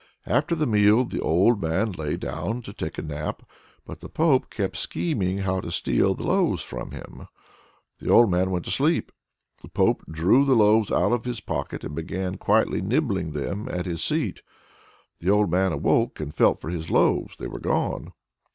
After the meal the old man lay down to take a nap, but the Pope kept scheming how to steal the loaves from him. The old man went to sleep. The Pope drew the loaves out of his pocket and began quietly nibbling them at his seat. The old man awoke and felt for his loaves; they were gone!